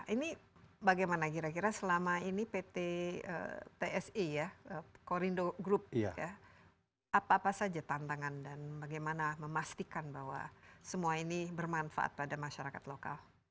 ini bagaimana kira kira selama ini pt tsi ya korindo group apa apa saja tantangan dan bagaimana memastikan bahwa semua ini bermanfaat pada masyarakat lokal